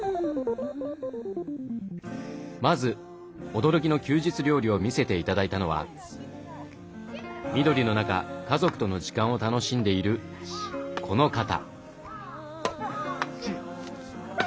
まず驚きの休日料理を見せて頂いたのは緑の中家族との時間を楽しんでいるこの方。